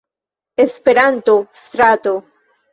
Esperanto-Strato.